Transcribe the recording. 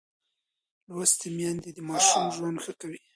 لوستې میندې د ماشوم ژوند ښه کوي.